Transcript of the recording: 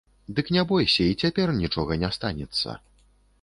Дык не бойся, і цяпер нічога не станецца.